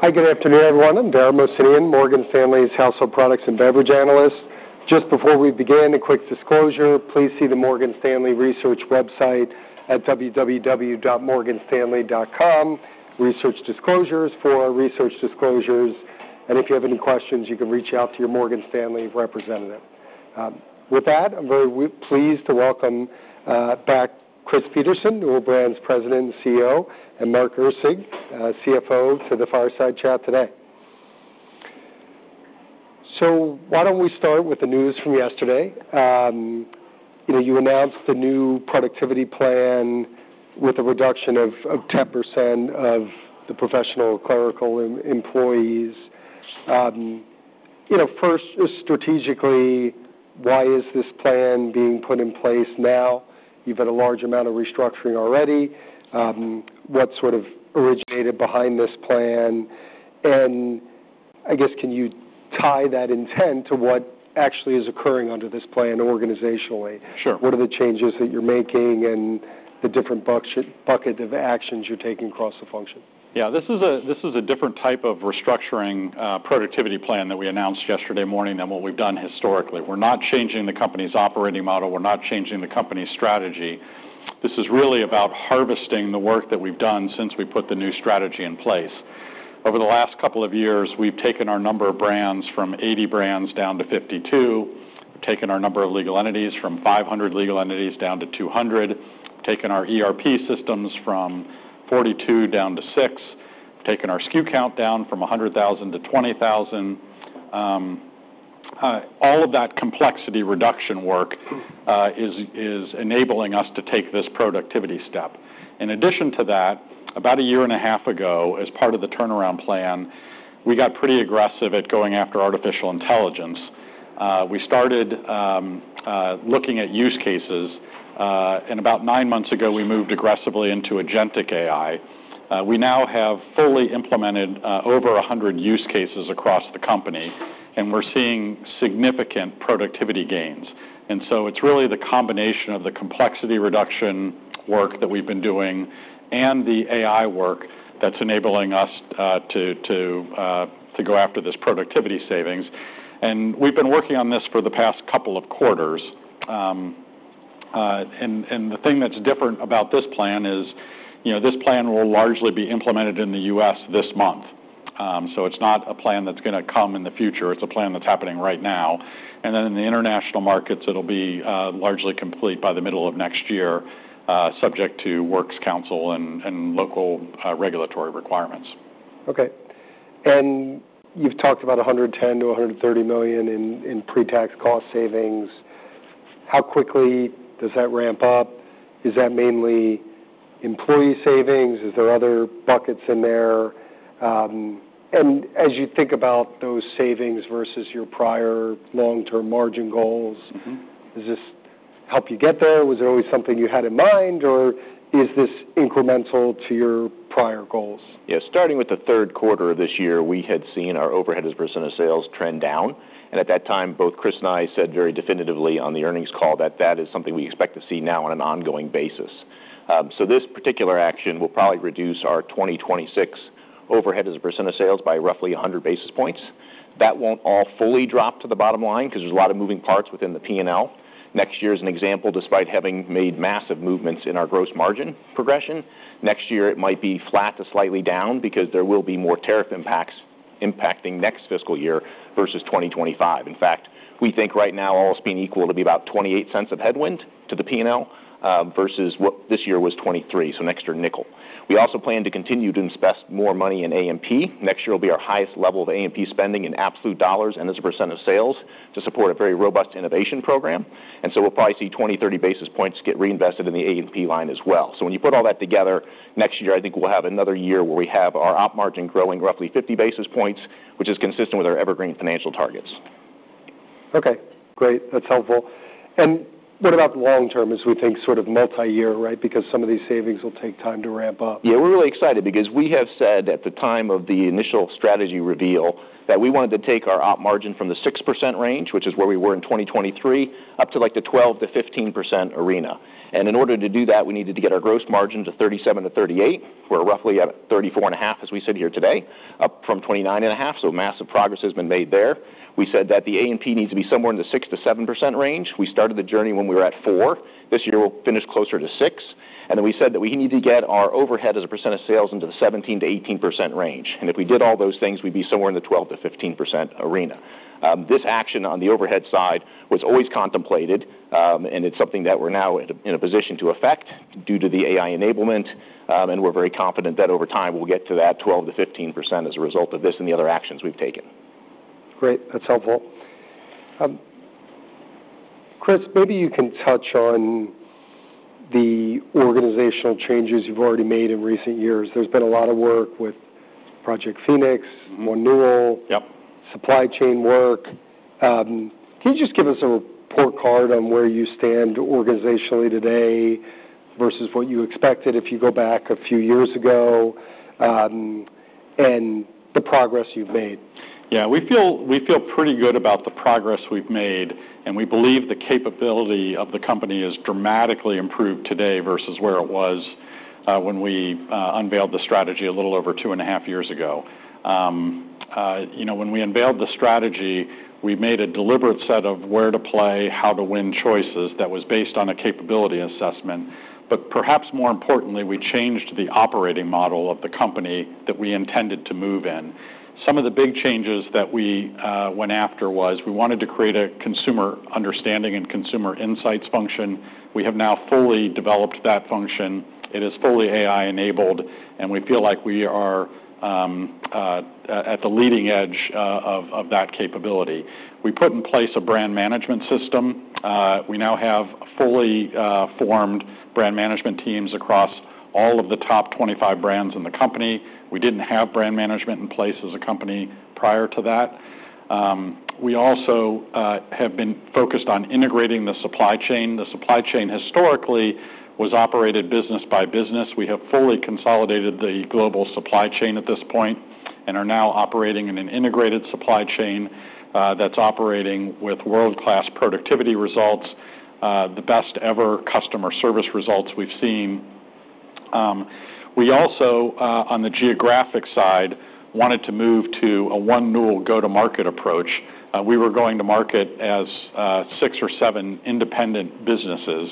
Hi, good afternoon, everyone. I'm Dara Mohsenian, Morgan Stanley's household products and beverage analyst. Just before we begin, a quick disclosure: please see the Morgan Stanley Research website at www.morganstanley.com for our research disclosures. And if you have any questions, you can reach out to your Morgan Stanley representative. With that, I'm very pleased to welcome back Chris Peterson, Newell Brands' President and CEO, and Mark Erceg, CFO, to the Fireside Chat today. So why don't we start with the news from yesterday? You announced the new productivity plan with a reduction of 10% of the professional clerical employees. First, strategically, why is this plan being put in place now? You've had a large amount of restructuring already. What sort of originated behind this plan? And I guess, can you tie that intent to what actually is occurring under this plan organizationally? What are the changes that you're making and the different bucket of actions you're taking across the function? Yeah, this is a different type of restructuring productivity plan that we announced yesterday morning than what we've done historically. We're not changing the company's operating model. We're not changing the company's strategy. This is really about harvesting the work that we've done since we put the new strategy in place. Over the last couple of years, we've taken our number of brands from 80 brands down to 52. We've taken our number of legal entities from 500 legal entities down to 200. We've taken our ERP systems from 42 down to 6. We've taken our SKU count down from 100,000 to 20,000. All of that complexity reduction work is enabling us to take this productivity step. In addition to that, about a year and a half ago, as part of the turnaround plan, we got pretty aggressive at going after artificial intelligence. We started looking at use cases. And about 9 months ago, we moved aggressively into Agentic AI. We now have fully implemented over 100 use cases across the company. And we're seeing significant productivity gains. And so it's really the combination of the complexity reduction work that we've been doing and the AI work that's enabling us to go after this productivity savings. And we've been working on this for the past couple of quarters. And the thing that's different about this plan is this plan will largely be implemented in the U.S. this month. So it's not a plan that's going to come in the future. It's a plan that's happening right now. And then in the international markets, it'll be largely complete by the middle of next year, subject to Works Council and local regulatory requirements. Okay. And you've talked about $110 million-$130 million in pre-tax cost savings. How quickly does that ramp up? Is that mainly employee savings? Is there other buckets in there? And as you think about those savings versus your prior long-term margin goals, does this help you get there? Was it always something you had in mind? Or is this incremental to your prior goals? Yeah, starting with the third quarter of this year, we had seen our overhead as a % of sales trend down. And at that time, both Chris and I said very definitively on the earnings call that that is something we expect to see now on an ongoing basis. So this particular action will probably reduce our 2026 overhead as a % of sales by roughly 100 basis points. That won't all fully drop to the bottom line because there's a lot of moving parts within the P&L. Next year is an example, despite having made massive movements in our gross margin progression. Next year, it might be flat to slightly down because there will be more tariff impacts impacting next fiscal year versus 2025. In fact, we think right now all else being equal to be about $0.28 of headwind to the P&L versus what this year was $0.23, so next year $0.05. We also plan to continue to invest more money in A&P. Next year will be our highest level of A&P spending in absolute dollars and as a percent of sales to support a very robust innovation program. And so we'll probably see 20-30 basis points get reinvested in the A&P line as well. So when you put all that together, next year, I think we'll have another year where we have our op margin growing roughly 50 basis points, which is consistent with our evergreen financial targets. Okay. Great. That's helpful. And what about the long term as we think sort of multi-year, right? Because some of these savings will take time to ramp up. Yeah, we're really excited because we have said at the time of the initial strategy reveal that we wanted to take our op margin from the 6% range, which is where we were in 2023, up to like the 12%-15% arena. And in order to do that, we needed to get our gross margin to 37%-38%. We're roughly at 34.5% as we sit here today, up from 29.5%. So massive progress has been made there. We said that the A&P needs to be somewhere in the 6%-7% range. We started the journey when we were at 4%. This year, we'll finish closer to 6%. And then we said that we need to get our overhead as a percent of sales into the 17%-18% range. And if we did all those things, we'd be somewhere in the 12%-15% arena. This action on the overhead side was always contemplated. And it's something that we're now in a position to affect due to the AI enablement. And we're very confident that over time, we'll get to that 12%-15% as a result of this and the other actions we've taken. Great. That's helpful. Chris, maybe you can touch on the organizational changes you've already made in recent years. There's been a lot of work with Project Phoenix, Renewal, supply chain work. Can you just give us a report card on where you stand organizationally today versus what you expected if you go back a few years ago and the progress you've made? Yeah, we feel pretty good about the progress we've made. And we believe the capability of the company has dramatically improved today versus where it was when we unveiled the strategy a little over two and a half years ago. When we unveiled the strategy, we made a deliberate set of where to play, how to win choices that was based on a capability assessment. But perhaps more importantly, we changed the operating model of the company that we intended to move in. Some of the big changes that we went after was we wanted to create a consumer understanding and consumer insights function. We have now fully developed that function. It is fully AI-enabled. And we feel like we are at the leading edge of that capability. We put in place a brand management system. We now have fully formed brand management teams across all of the top 25 brands in the company. We didn't have brand management in place as a company prior to that. We also have been focused on integrating the supply chain. The supply chain historically was operated business by business. We have fully consolidated the global supply chain at this point and are now operating in an integrated supply chain that's operating with world-class productivity results, the best ever customer service results we've seen. We also, on the geographic side, wanted to move to a One Newell go-to-market approach. We were going to market as 6 or 7 independent businesses.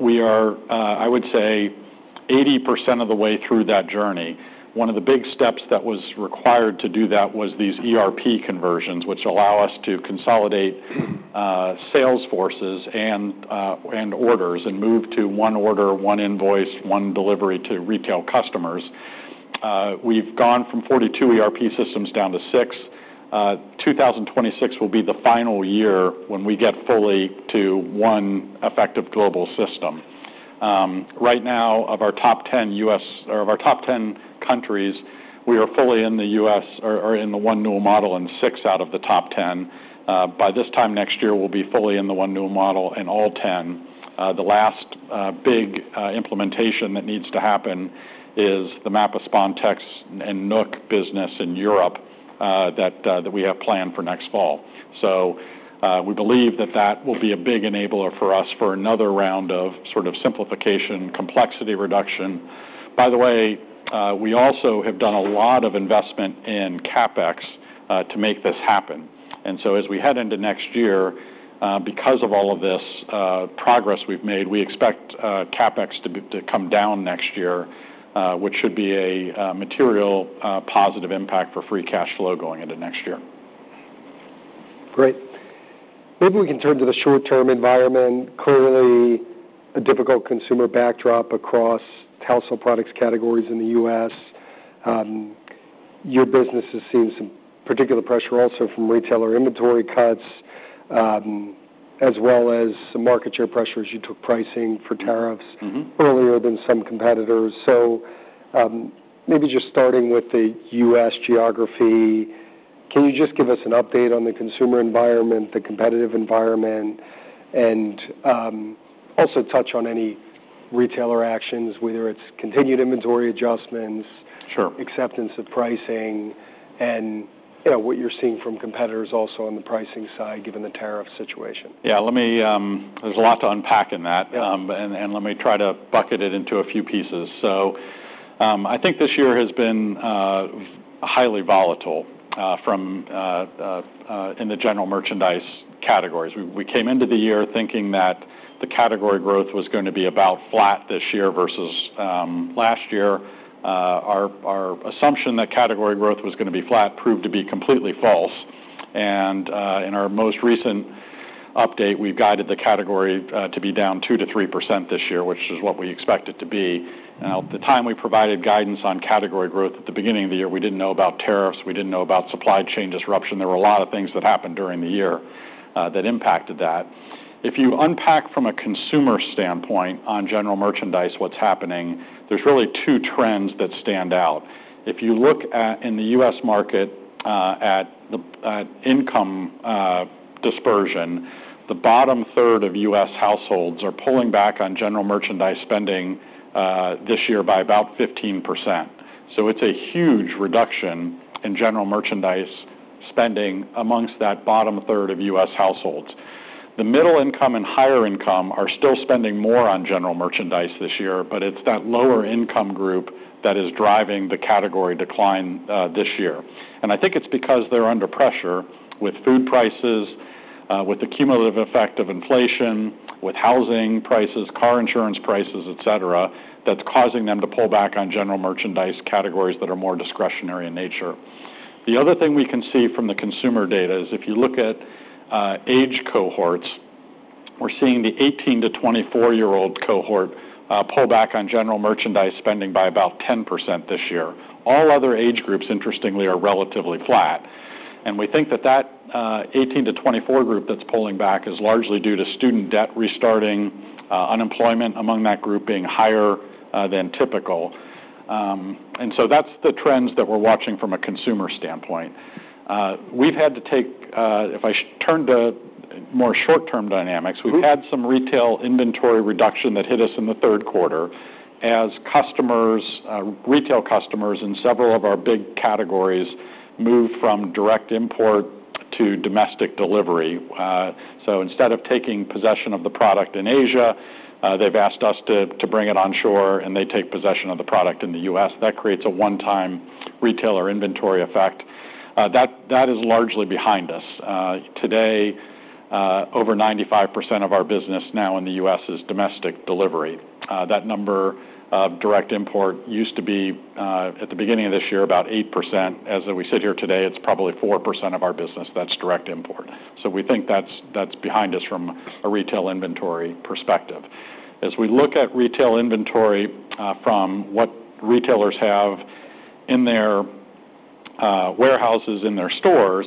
We are, I would say, 80% of the way through that journey. One of the big steps that was required to do that was these ERP conversions, which allow us to consolidate sales forces and orders and move to one order, one invoice, one delivery to retail customers. We've gone from 42 ERP systems down to 6. 2026 will be the final year when we get fully to one effective global system. Right now, of our top 10 countries, we are fully in the One Newell model in six out of the top 10. By this time next year, we'll be fully in the One Newell model in all 10. The last big implementation that needs to happen is the Mapa Spontex and NUK business in Europe that we have planned for next fall. So we believe that that will be a big enabler for us for another round of sort of simplification, complexity reduction. By the way, we also have done a lot of investment in CapEx to make this happen. And so as we head into next year, because of all of this progress we've made, we expect CapEx to come down next year, which should be a material positive impact for free cash flow going into next year. Great. Maybe we can turn to the short-term environment. Clearly, a difficult consumer backdrop across household products categories in the U.S. Your business has seen some particular pressure also from retailer inventory cuts, as well as some market share pressures. You took pricing for tariffs earlier than some competitors. So maybe just starting with the U.S. geography, can you just give us an update on the consumer environment, the competitive environment, and also touch on any retailer actions, whether it's continued inventory adjustments, acceptance of pricing, and what you're seeing from competitors also on the pricing side given the tariff situation? Yeah, there's a lot to unpack in that. And let me try to bucket it into a few pieces. So I think this year has been highly volatile in the general merchandise categories. We came into the year thinking that the category growth was going to be about flat this year versus last year. Our assumption that category growth was going to be flat proved to be completely false. And in our most recent update, we've guided the category to be down 2%-3% this year, which is what we expected to be. Now, at the time we provided guidance on category growth at the beginning of the year, we didn't know about tariffs. We didn't know about supply chain disruption. There were a lot of things that happened during the year that impacted that. If you unpack from a consumer standpoint on general merchandise what's happening, there's really two trends that stand out. If you look in the U.S. market at income dispersion, the bottom third of U.S. households are pulling back on general merchandise spending this year by about 15%. So it's a huge reduction in general merchandise spending amongst that bottom third of U.S. households. The middle income and higher income are still spending more on general merchandise this year, but it's that lower income group that is driving the category decline this year, and I think it's because they're under pressure with food prices, with the cumulative effect of inflation, with housing prices, car insurance prices, et cetera, that's causing them to pull back on general merchandise categories that are more discretionary in nature. The other thing we can see from the consumer data is if you look at age cohorts, we're seeing the 18- to 24-year-old cohort pull back on general merchandise spending by about 10% this year. All other age groups, interestingly, are relatively flat. And we think that that 18- to 24 group that's pulling back is largely due to student debt restarting, unemployment among that group being higher than typical. And so that's the trends that we're watching from a consumer standpoint. We've had to take, if I turn to more short-term dynamics, we've had some retail inventory reduction that hit us in the third quarter as customers, retail customers in several of our big categories moved from direct import to domestic delivery. So instead of taking possession of the product in Asia, they've asked us to bring it onshore, and they take possession of the product in the U.S. That creates a one-time retailer inventory effect. That is largely behind us. Today, over 95% of our business now in the U.S. is domestic delivery. That number of direct import used to be at the beginning of this year about 8%. As we sit here today, it's probably 4% of our business that's direct import. So we think that's behind us from a retail inventory perspective. As we look at retail inventory from what retailers have in their warehouses, in their stores,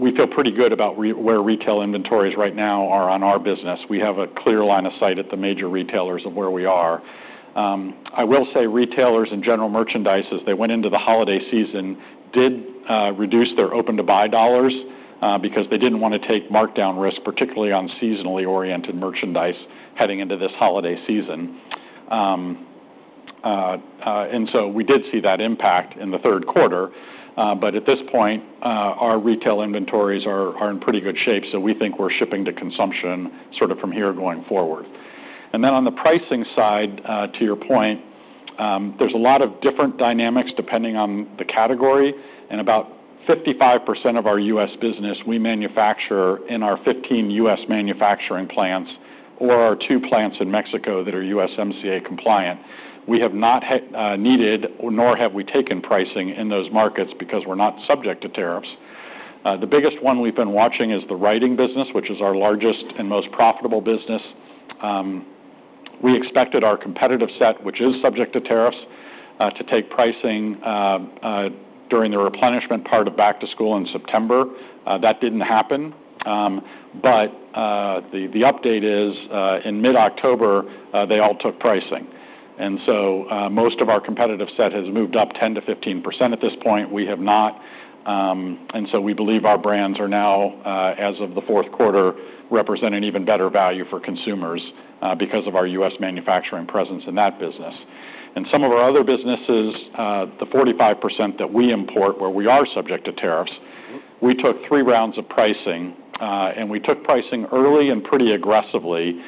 we feel pretty good about where retail inventories right now are on our business. We have a clear line of sight at the major retailers of where we are. I will say retailers and general merchandise, as they went into the holiday season, did reduce their open-to-buy dollars because they didn't want to take markdown risk, particularly on seasonally oriented merchandise heading into this holiday season. So we did see that impact in the third quarter. But at this point, our retail inventories are in pretty good shape. So we think we're shipping to consumption sort of from here going forward. And then on the pricing side, to your point, there's a lot of different dynamics depending on the category. And about 55% of our U.S. business, we manufacture in our 15 U.S. manufacturing plants or our two plants in Mexico that are USMCA-compliant. We have not needed, nor have we taken pricing in those markets because we're not subject to tariffs. The biggest one we've been watching is the writing business, which is our largest and most profitable business. We expected our competitive set, which is subject to tariffs, to take pricing during the replenishment part of back to school in September. That didn't happen. But the update is in mid-October. They all took pricing. And so most of our competitive set has moved up 10%-15% at this point. We have not. And so we believe our brands are now, as of the fourth quarter, representing even better value for consumers because of our U.S. manufacturing presence in that business. And some of our other businesses, the 45% that we import where we are subject to tariffs, we took three rounds of pricing. And we took pricing early and pretty aggressively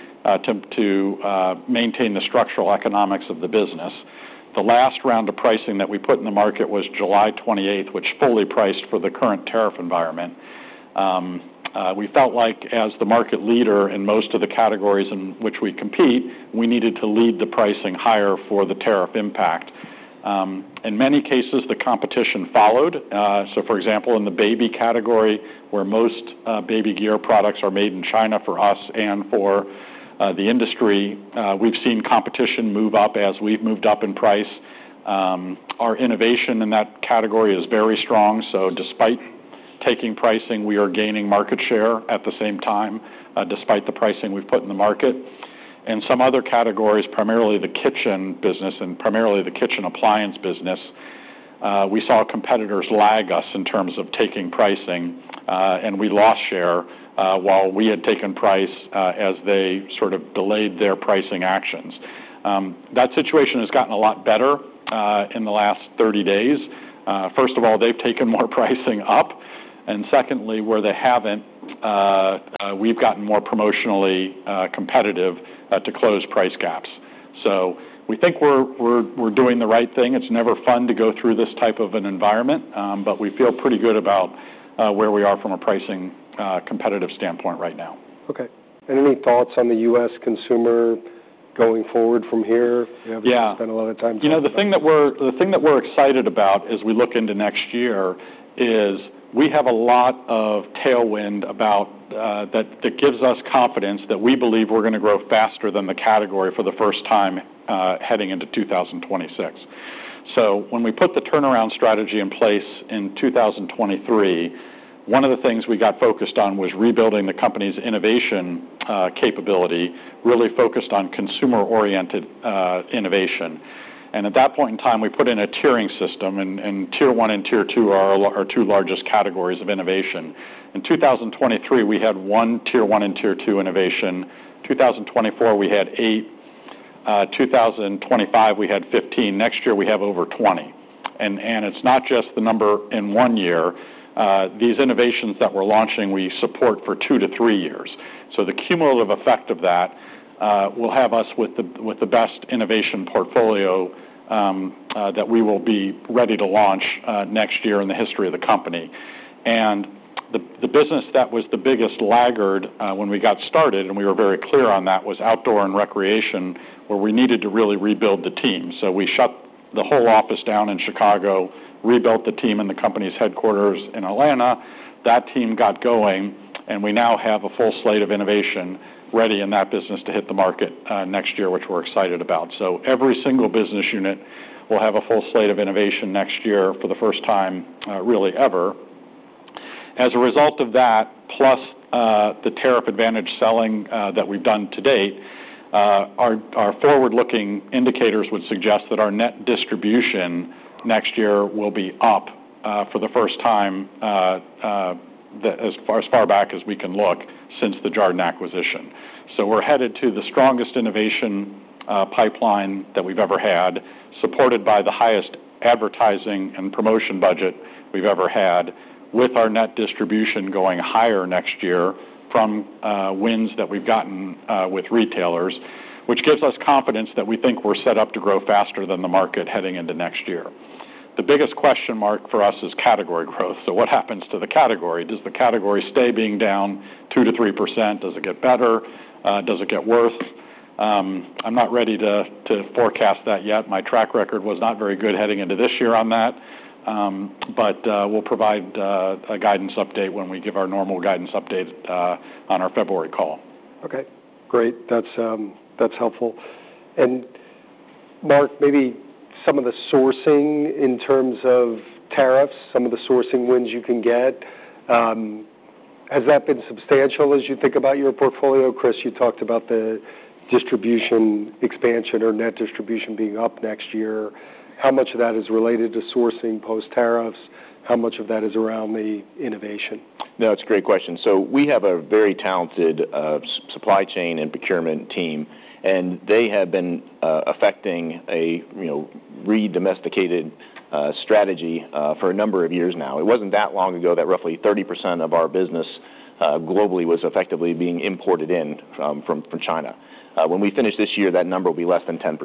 to maintain the structural economics of the business. The last round of pricing that we put in the market was July 28th, which fully priced for the current tariff environment. We felt like as the market leader in most of the categories in which we compete, we needed to lead the pricing higher for the tariff impact. In many cases, the competition followed. So for example, in the baby category, where most baby gear products are made in China for us and for the industry, we've seen competition move up as we've moved up in price. Our innovation in that category is very strong. So despite taking pricing, we are gaining market share at the same time despite the pricing we've put in the market. And some other categories, primarily the kitchen business and primarily the kitchen appliance business, we saw competitors lag us in terms of taking pricing. And we lost share while we had taken price as they sort of delayed their pricing actions. That situation has gotten a lot better in the last 30 days. First of all, they've taken more pricing up. And secondly, where they haven't, we've gotten more promotionally competitive to close price gaps. So we think we're doing the right thing. It's never fun to go through this type of an environment. But we feel pretty good about where we are from a pricing competitive standpoint right now. Okay, and any thoughts on the U.S. consumer going forward from here? We haven't spent a lot of time talking about. Yeah. You know, the thing that we're excited about as we look into next year is we have a lot of tailwind that gives us confidence that we believe we're going to grow faster than the category for the first time heading into 2026. So when we put the turnaround strategy in place in 2023, one of the things we got focused on was rebuilding the company's innovation capability, really focused on consumer-oriented innovation. And at that point in time, we put in a tiering system. And tier one and tier two are our two largest categories of innovation. In 2023, we had one tier one and tier two innovation. 2024, we had eight. 2025, we had 15. Next year, we have over 20. And it's not just the number in one year. These innovations that we're launching, we support for 2 to 3 years. So the cumulative effect of that will have us with the best innovation portfolio that we will be ready to launch next year in the history of the company. And the business that was the biggest laggard when we got started, and we were very clear on that, was outdoor and recreation, where we needed to really rebuild the team. So we shut the whole office down in Chicago, rebuilt the team in the company's headquarters in Atlanta. That team got going. And we now have a full slate of innovation ready in that business to hit the market next year, which we're excited about. So every single business unit will have a full slate of innovation next year for the first time, really ever. As a result of that, plus the tariff advantage selling that we've done to date, our forward-looking indicators would suggest that our net distribution next year will be up for the first time as far back as we can look since the Jarden acquisition. So we're headed to the strongest innovation pipeline that we've ever had, supported by the highest advertising and promotion budget we've ever had, with our net distribution going higher next year from wins that we've gotten with retailers, which gives us confidence that we think we're set up to grow faster than the market heading into next year. The biggest question mark for us is category growth. So what happens to the category? Does the category stay being down 2%-3%? Does it get better? Does it get worse? I'm not ready to forecast that yet. My track record was not very good heading into this year on that. But we'll provide a guidance update when we give our normal guidance update on our February call. Okay. Great. That's helpful. And Mark, maybe some of the sourcing in terms of tariffs, some of the sourcing wins you can get, has that been substantial as you think about your portfolio? Chris, you talked about the distribution expansion or net distribution being up next year. How much of that is related to sourcing post-tariffs? How much of that is around the innovation? No, it's a great question. So we have a very talented supply chain and procurement team. And they have been effecting a re-domestication strategy for a number of years now. It wasn't that long ago that roughly 30% of our business globally was effectively being imported in from China. When we finish this year, that number will be less than 10%.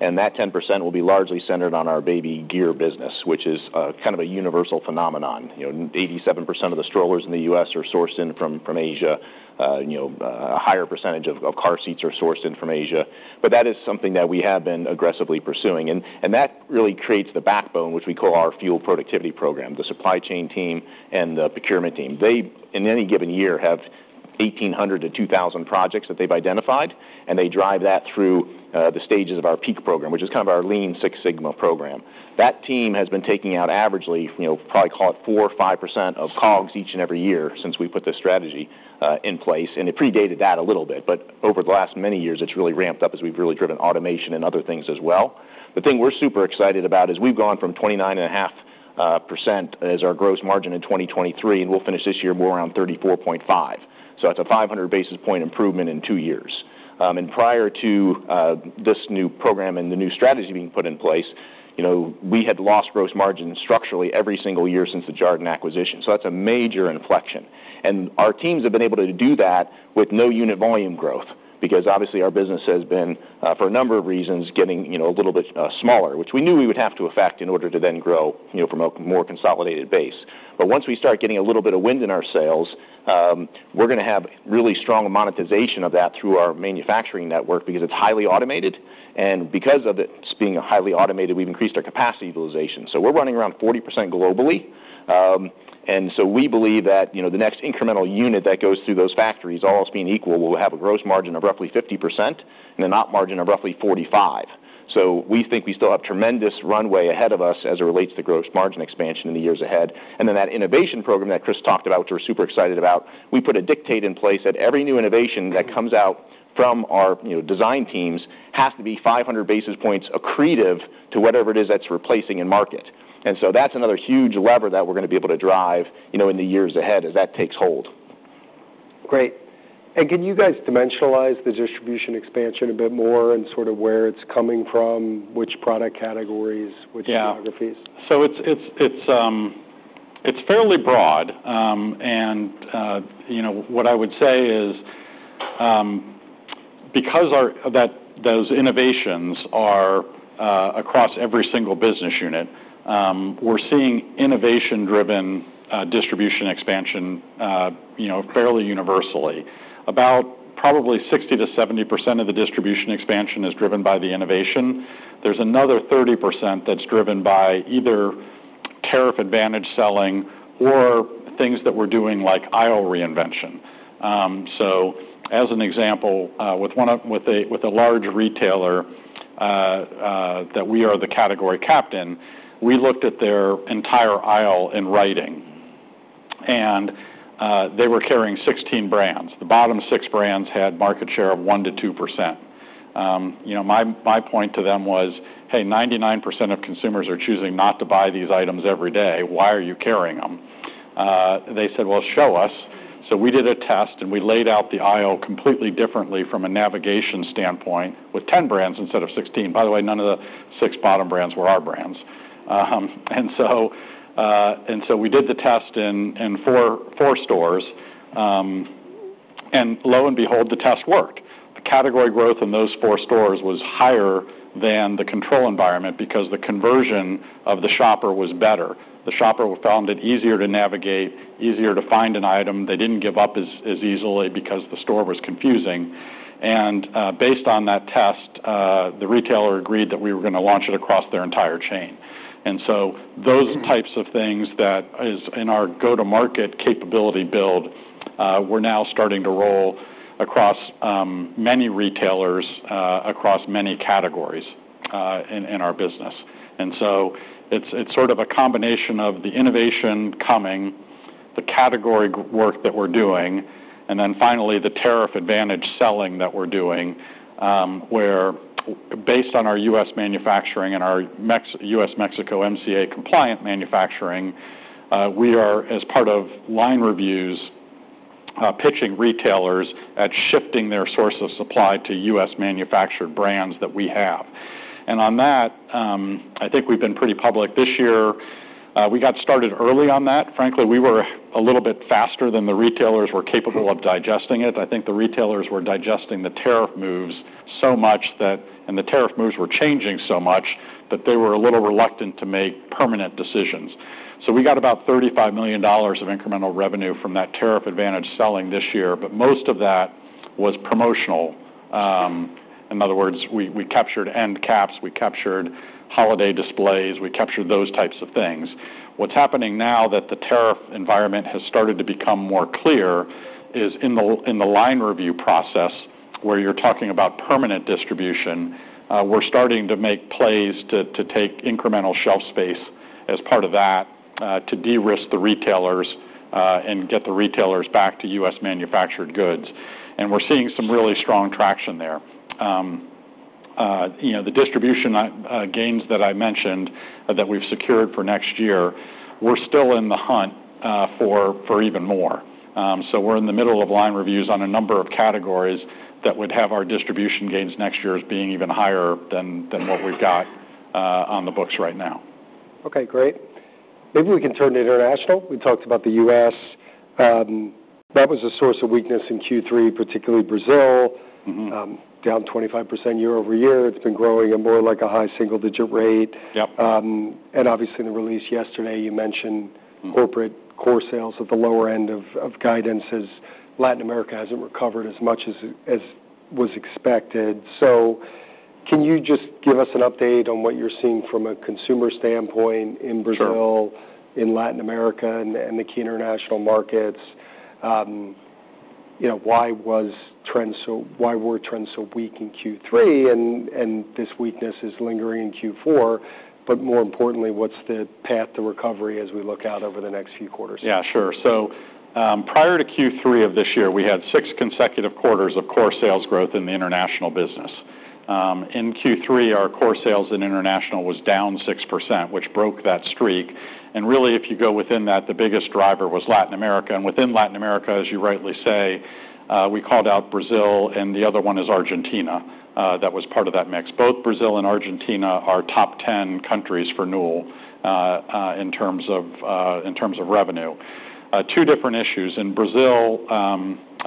And that 10% will be largely centered on our baby gear business, which is kind of a universal phenomenon. 87% of the strollers in the U.S. are sourced in from Asia. A higher percentage of car seats are sourced in from Asia. But that is something that we have been aggressively pursuing. And that really creates the backbone, which we call our fuel productivity program, the supply chain team and the procurement team. They, in any given year, have 1,800-2,000 projects that they've identified. And they drive that through the stages of our PEAK program, which is kind of our Lean Six Sigma program. That team has been taking out averagely probably call it 4% or 5% of COGS each and every year since we put this strategy in place. And it predated that a little bit. But over the last many years, it's really ramped up as we've really driven automation and other things as well. The thing we're super excited about is we've gone from 29.5% as our gross margin in 2023, and we'll finish this year more around 34.5%. So that's a 500 basis points improvement in two years. And prior to this new program and the new strategy being put in place, we had lost gross margins structurally every single year since the Jarden acquisition. So that's a major inflection. And our teams have been able to do that with no unit volume growth because obviously our business has been, for a number of reasons, getting a little bit smaller, which we knew we would have to affect in order to then grow from a more consolidated base. But once we start getting a little bit of wind in our sales, we're going to have really strong monetization of that through our manufacturing network because it's highly automated. And because of it being highly automated, we've increased our capacity utilization. So we're running around 40% globally. And so we believe that the next incremental unit that goes through those factories, all else being equal, will have a gross margin of roughly 50% and a net margin of roughly 45%. So we think we still have tremendous runway ahead of us as it relates to gross margin expansion in the years ahead. And then that innovation program that Chris talked about, which we're super excited about, we put a dictate in place that every new innovation that comes out from our design teams has to be 500 basis points accretive to whatever it is that's replacing in market. And so that's another huge lever that we're going to be able to drive in the years ahead as that takes hold. Great. And can you guys dimensionalize the distribution expansion a bit more and sort of where it's coming from, which product categories, which geographies? Yeah. So it's fairly broad. And what I would say is because those innovations are across every single business unit, we're seeing innovation-driven distribution expansion fairly universally. About probably 60%-70% of the distribution expansion is driven by the innovation. There's another 30% that's driven by either tariff advantage selling or things that we're doing like aisle reinvention. So as an example, with a large retailer that we are the category captain, we looked at their entire aisle in writing. And they were carrying 16 brands. The bottom six brands had market share of 1%-2%. My point to them was, "Hey, 99% of consumers are choosing not to buy these items every day. Why are you carrying them?" They said, "Well, show us." So we did a test. And we laid out the aisle completely differently from a navigation standpoint with 10 brands instead of 16. By the way, none of the six bottom brands were our brands. And so we did the test in four stores. And lo and behold, the test worked. The category growth in those four stores was higher than the control environment because the conversion of the shopper was better. The shopper found it easier to navigate, easier to find an item. They didn't give up as easily because the store was confusing. And based on that test, the retailer agreed that we were going to launch it across their entire chain. And so those types of things that is in our go-to-market capability build, we're now starting to roll across many retailers across many categories in our business. And so it's sort of a combination of the innovation coming, the category work that we're doing, and then finally the tariff advantage selling that we're doing where, based on our U.S. manufacturing and our USMCA-compliant manufacturing, we are, as part of line reviews, pitching retailers at shifting their source of supply to U.S.-manufactured brands that we have. And on that, I think we've been pretty public this year. We got started early on that. Frankly, we were a little bit faster than the retailers were capable of digesting it. I think the retailers were digesting the tariff moves so much that, and the tariff moves were changing so much that they were a little reluctant to make permanent decisions. So we got about $35 million of incremental revenue from that tariff advantage selling this year. But most of that was promotional. In other words, we captured end caps. We captured holiday displays. We captured those types of things. What's happening now that the tariff environment has started to become more clear is in the line review process where you're talking about permanent distribution, we're starting to make plays to take incremental shelf space as part of that to de-risk the retailers and get the retailers back to U.S.-manufactured goods. And we're seeing some really strong traction there. The distribution gains that I mentioned that we've secured for next year, we're still in the hunt for even more. So we're in the middle of line reviews on a number of categories that would have our distribution gains next year as being even higher than what we've got on the books right now. Okay. Great. Maybe we can turn to international. We talked about the US. That was a source of weakness in Q3, particularly Brazil, down 25% year over year. It's been growing at more like a high single-digit rate. And obviously, in the release yesterday, you mentioned corporate core sales at the lower end of guidance as Latin America hasn't recovered as much as was expected. So can you just give us an update on what you're seeing from a consumer standpoint in Brazil, in Latin America, and the key international markets? Why were trends so weak in Q3? And this weakness is lingering in Q4. But more importantly, what's the path to recovery as we look out over the next few quarters? Yeah, sure. So prior to Q3 of this year, we had six consecutive quarters of core sales growth in the international business. In Q3, our core sales in international was down 6%, which broke that streak. And really, if you go within that, the biggest driver was Latin America. And within Latin America, as you rightly say, we called out Brazil. And the other one is Argentina that was part of that mix. Both Brazil and Argentina are top 10 countries for Newell in terms of revenue. Two different issues. In Brazil,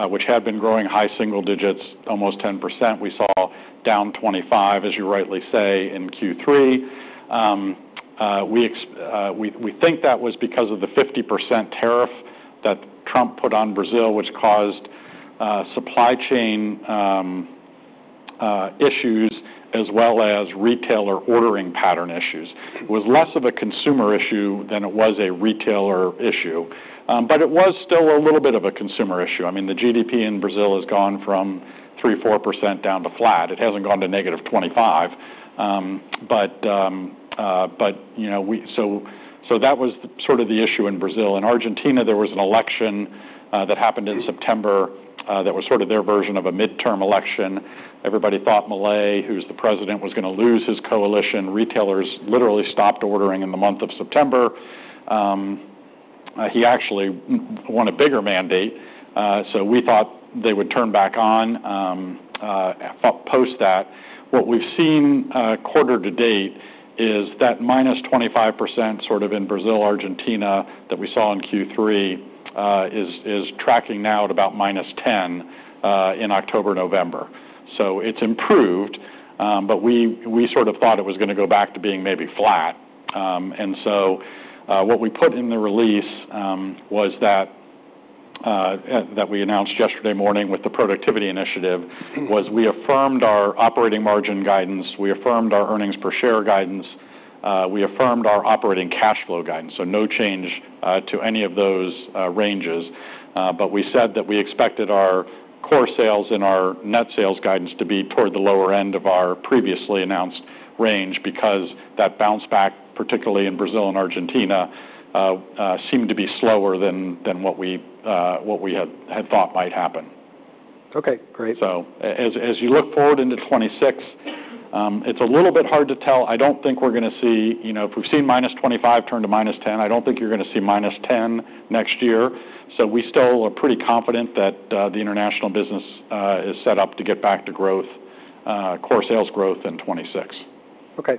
which had been growing high single digits, almost 10%, we saw down 25%, as you rightly say, in Q3. We think that was because of the 50% tariff that Trump put on Brazil, which caused supply chain issues as well as retailer ordering pattern issues. It was less of a consumer issue than it was a retailer issue. But it was still a little bit of a consumer issue. I mean, the GDP in Brazil has gone from 3%-4% down to flat. It hasn't gone to -25%. But so that was sort of the issue in Brazil. In Argentina, there was an election that happened in September that was sort of their version of a midterm election. Everybody thought Malay, who's the president, was going to lose his coalition. Retailers literally stopped ordering in the month of September. He actually won a bigger mandate. So we thought they would turn back on post that. What we've seen quarter to date is that -25% sort of in Brazil, Argentina that we saw in Q3 is tracking now at about -10% in October/November. So it's improved. But we sort of thought it was going to go back to being maybe flat. And so what we put in the release was that we announced yesterday morning with the productivity initiative was we affirmed our operating margin guidance. We affirmed our earnings per share guidance. We affirmed our operating cash flow guidance. So no change to any of those ranges. But we said that we expected our core sales and our net sales guidance to be toward the lower end of our previously announced range because that bounce back, particularly in Brazil and Argentina, seemed to be slower than what we had thought might happen. Okay. Great. So, as you look forward into 2026, it's a little bit hard to tell. I don't think we're going to see if we've seen -25% turn to -10%. I don't think you're going to see -10% next year. So, we still are pretty confident that the international business is set up to get back to growth, core sales growth in 2026. Okay.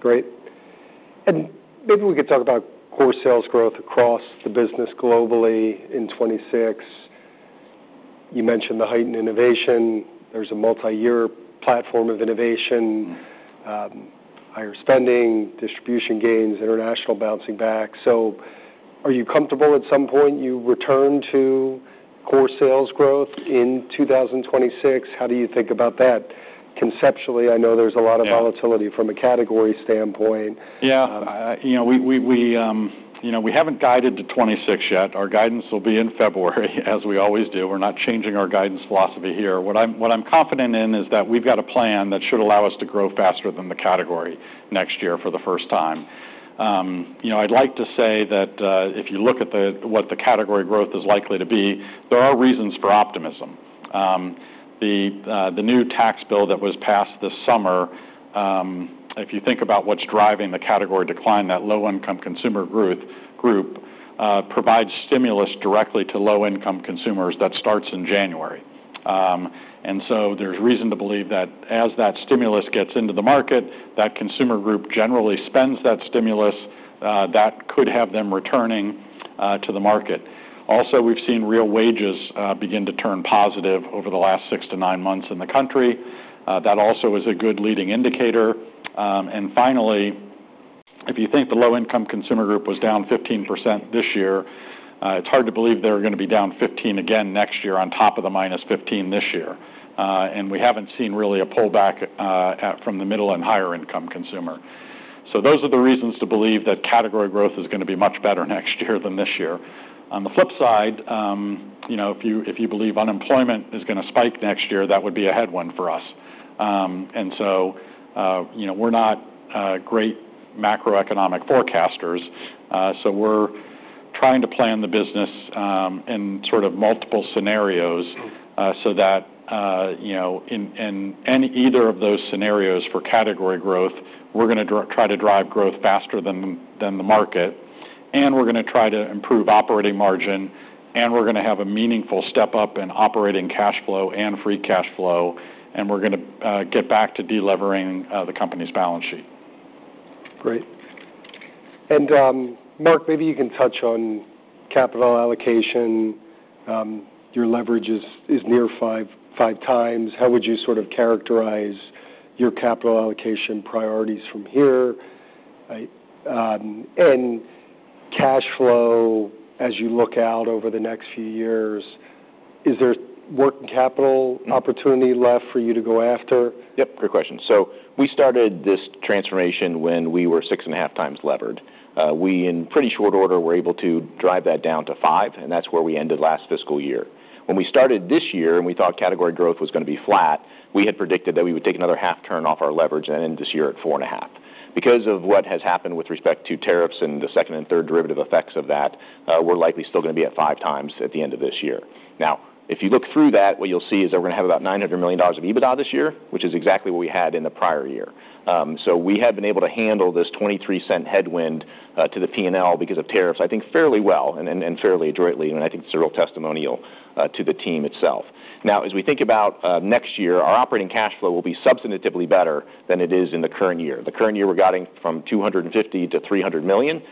Great. And maybe we could talk about core sales growth across the business globally in 2026. You mentioned the heightened innovation. There's a multi-year platform of innovation, higher spending, distribution gains, international bouncing back. So are you comfortable at some point you return to core sales growth in 2026? How do you think about that? Conceptually, I know there's a lot of volatility from a category standpoint. Yeah. We haven't guided to 2026 yet. Our guidance will be in February as we always do. We're not changing our guidance philosophy here. What I'm confident in is that we've got a plan that should allow us to grow faster than the category next year for the first time. I'd like to say that if you look at what the category growth is likely to be, there are reasons for optimism. The new tax bill that was passed this summer, if you think about what's driving the category decline, that low-income consumer growth group provides stimulus directly to low-income consumers. That starts in January, and so there's reason to believe that as that stimulus gets into the market, that consumer group generally spends that stimulus that could have them returning to the market. Also, we've seen real wages begin to turn positive over the last 6 to nine months in the country. That also is a good leading indicator. And finally, if you think the low-income consumer group was down 15% this year, it's hard to believe they're going to be down 15% again next year on top of the minus 15% this year. And we haven't seen really a pullback from the middle and higher-income consumer. So those are the reasons to believe that category growth is going to be much better next year than this year. On the flip side, if you believe unemployment is going to spike next year, that would be a headwind for us. And so we're not great macroeconomic forecasters. So we're trying to plan the business in sort of multiple scenarios so that in either of those scenarios for category growth, we're going to try to drive growth faster than the market. And we're going to try to improve operating margin. And we're going to have a meaningful step up in operating cash flow and free cash flow. And we're going to get back to delevering the company's balance sheet. Great. And Mark, maybe you can touch on capital allocation. Your leverage is near five times. How would you sort of characterize your capital allocation priorities from here? And cash flow, as you look out over the next few years, is there working capital opportunity left for you to go after? Yep. Good question. So we started this transformation when we were six and a half times levered. We, in pretty short order, were able to drive that down to five. And that's where we ended last fiscal year. When we started this year and we thought category growth was going to be flat, we had predicted that we would take another half turn off our leverage and end this year at four and a half. Because of what has happened with respect to tariffs and the second and third derivative effects of that, we're likely still going to be at five times at the end of this year. Now, if you look through that, what you'll see is that we're going to have about $900 million of EBITDA this year, which is exactly what we had in the prior year. So we have been able to handle this 23% headwind to the P&L because of tariffs, I think, fairly well and fairly adroitly. And I think it's a real testimonial to the team itself. Now, as we think about next year, our operating cash flow will be substantively better than it is in the current year. The current year, we're guiding from $250-$300 million.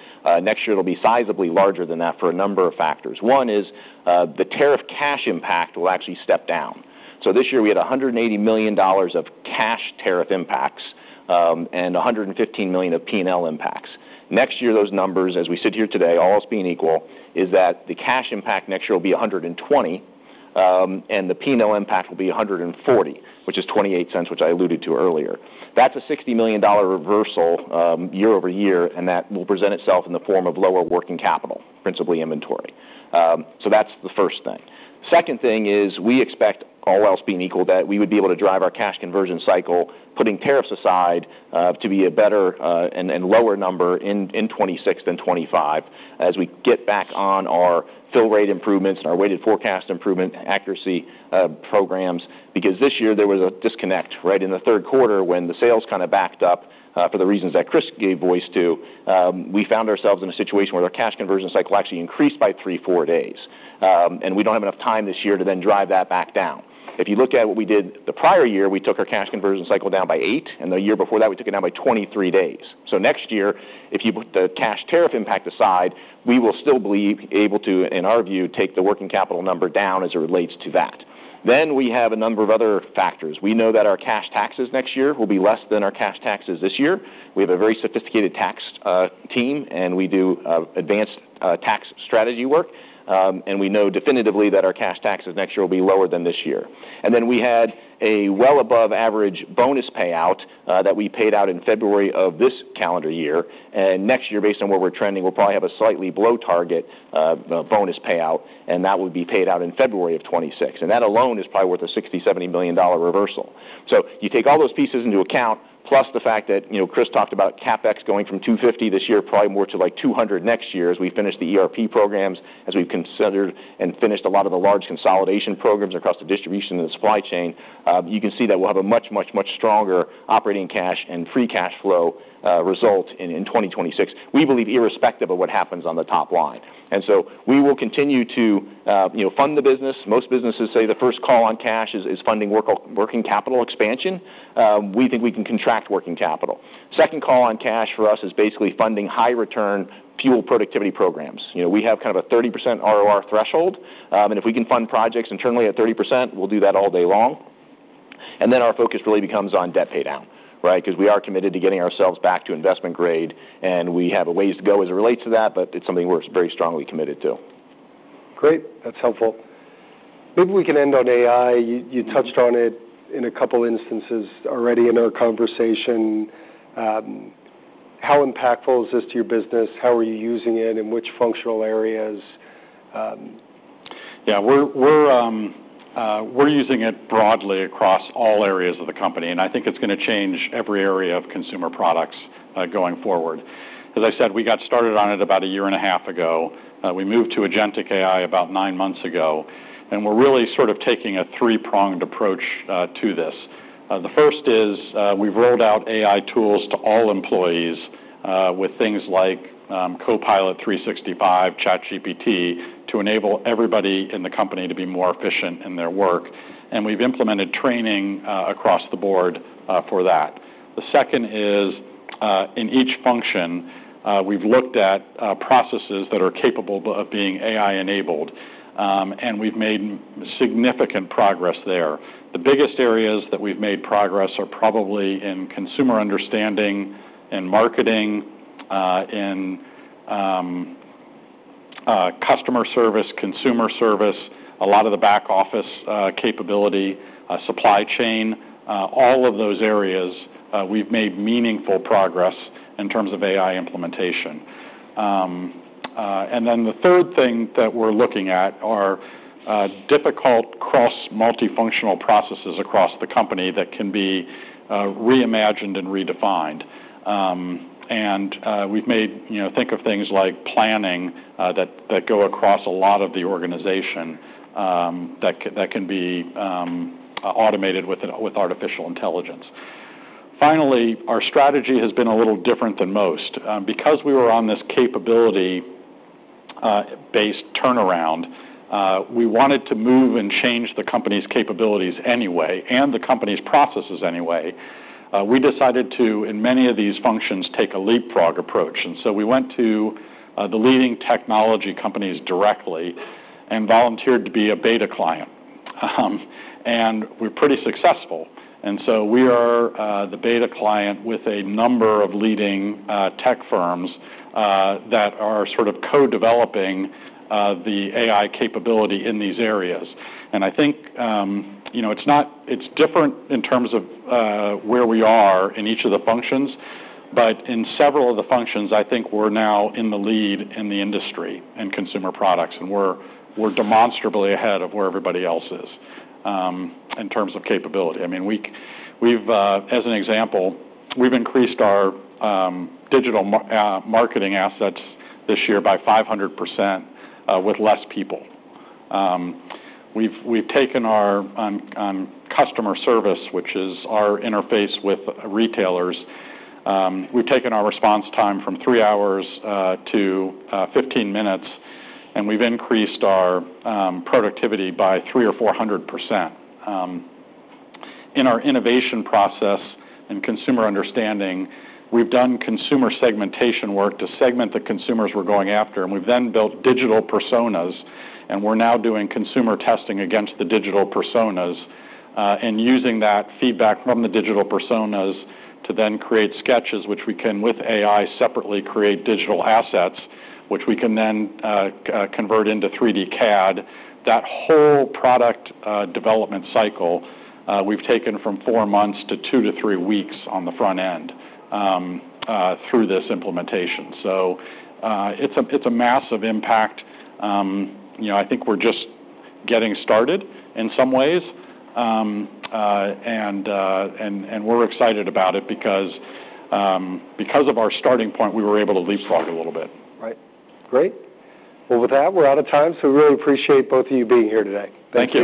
Next year, it'll be sizably larger than that for a number of factors. One is the tariff cash impact will actually step down. So this year, we had $180 million of cash tariff impacts and $115 million of P&L impacts. Next year, those numbers, as we sit here today, all else being equal, is that the cash impact next year will be $120 million, and the P&L impact will be $140 million, which is 28 cents, which I alluded to earlier. That's a $60 million reversal year over year. And that will present itself in the form of lower working capital, principally inventory. So that's the first thing. Second thing is we expect, all else being equal, that we would be able to drive our cash conversion cycle, putting tariffs aside, to be a better and lower number in 2026 than 2025 as we get back on our fill rate improvements and our weighted forecast improvement accuracy programs. Because this year, there was a disconnect right in the third quarter when the sales kind of backed up for the reasons that Chris gave voice to. We found ourselves in a situation where our cash conversion cycle actually increased by three, four days. And we don't have enough time this year to then drive that back down. If you look at what we did the prior year, we took our cash conversion cycle down by eight. And the year before that, we took it down by 23 days. So next year, if you put the cash tariff impact aside, we will still be able to, in our view, take the working capital number down as it relates to that. Then we have a number of other factors. We know that our cash taxes next year will be less than our cash taxes this year. We have a very sophisticated tax team. And we do advanced tax strategy work. And we know definitively that our cash taxes next year will be lower than this year. And then we had a well above average bonus payout that we paid out in February of this calendar year. And next year, based on where we're trending, we'll probably have a slightly below target bonus payout. And that would be paid out in February of 2026. And that alone is probably worth a $60-$70 million reversal. So you take all those pieces into account, plus the fact that Chris talked about CapEx going from 250 this year probably more to like 200 next year as we finish the ERP programs, as we've considered and finished a lot of the large consolidation programs across the distribution and the supply chain. You can see that we'll have a much, much, much stronger operating cash and free cash flow result in 2026, we believe, irrespective of what happens on the top line. And so we will continue to fund the business. Most businesses say the first call on cash is funding working capital expansion. We think we can contract working capital. Second call on cash for us is basically funding high-return fuel productivity programs. We have kind of a 30% ROR threshold. And if we can fund projects internally at 30%, we'll do that all day long. And then our focus really becomes on debt paydown, right? Because we are committed to getting ourselves back to investment grade. And we have a ways to go as it relates to that. But it's something we're very strongly committed to. Great. That's helpful. Maybe we can end on AI. You touched on it in a couple of instances already in our conversation. How impactful is this to your business? How are you using it? And which functional areas? Yeah. We're using it broadly across all areas of the company. And I think it's going to change every area of consumer products going forward. As I said, we got started on it about a year and a half ago. We moved to Agentic AI about nine months ago. And we're really sort of taking a three-pronged approach to this. The first is we've rolled out AI tools to all employees with things like Copilot 365, ChatGPT, to enable everybody in the company to be more efficient in their work. And we've implemented training across the board for that. The second is in each function, we've looked at processes that are capable of being AI-enabled. And we've made significant progress there. The biggest areas that we've made progress are probably in consumer understanding, in marketing, in customer service, consumer service, a lot of the back office capability, supply chain. All of those areas, we've made meaningful progress in terms of AI implementation, and then the third thing that we're looking at are difficult cross-multifunctional processes across the company that can be reimagined and redefined. And we've made think of things like planning that go across a lot of the organization that can be automated with artificial intelligence. Finally, our strategy has been a little different than most. Because we were on this capability-based turnaround, we wanted to move and change the company's capabilities anyway and the company's processes anyway. We decided to, in many of these functions, take a leapfrog approach. And so we went to the leading technology companies directly and volunteered to be a beta client. And we're pretty successful. And so we are the beta client with a number of leading tech firms that are sort of co-developing the AI capability in these areas. I think it's different in terms of where we are in each of the functions. But in several of the functions, I think we're now in the lead in the industry and consumer products. We're demonstrably ahead of where everybody else is in terms of capability. I mean, as an example, we've increased our digital marketing assets this year by 500% with less people. We've taken our customer service, which is our interface with retailers. We've taken our response time from three hours to 15 minutes. We've increased our productivity by 300 or 400%. In our innovation process and consumer understanding, we've done consumer segmentation work to segment the consumers we're going after. We've then built digital personas. And we're now doing consumer testing against the digital personas and using that feedback from the digital personas to then create sketches, which we can, with AI, separately create digital assets, which we can then convert into 3D CAD. That whole product development cycle, we've taken from four months to two to three weeks on the front end through this implementation. So it's a massive impact. I think we're just getting started in some ways. And we're excited about it because of our starting point, we were able to leapfrog a little bit. Right. Great. Well, with that, we're out of time. So we really appreciate both of you being here today. Thank you.